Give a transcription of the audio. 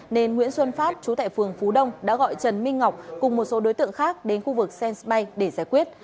nên nguyễn xuân pháp chú tại phường phú đông đã gọi trần minh ngọc cùng một số đối tượng khác đến khu vực sense bay để giải quyết